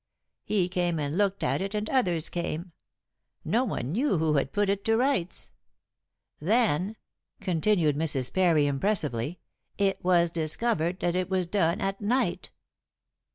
He came and looked at it, and others came. No one knew who had put it to rights. Then," continued Mrs. Parry impressively, "it was discovered that it was done at night."